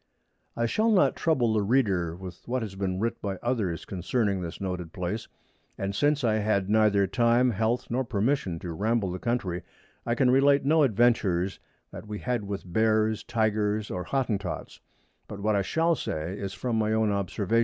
I Shall not trouble the Reader with what has been writ by others concerning this noted Place: And since I had neither Time, Health, nor Permission to ramble the Country, I can relate no Adventures that we had with Bears, Tygers or Hottentots; but what I shall say is from my own Observation.